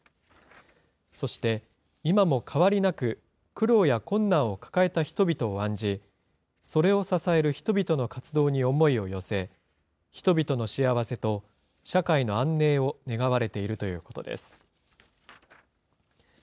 そして、今も変わりなく、苦労や困難を抱えた人々を案じ、それを支える人々の活動に思いをはせ、人々の幸せと、社会の安寧を願われているということです。